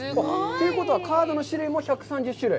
ということは、カードの種類も１３０種類？